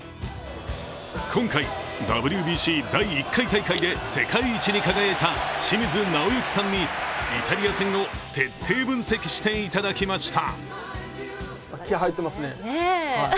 今回、ＷＢＣ第１回大会で世界一に輝いた清水直行さんにイタリア戦を徹底分析していただきました。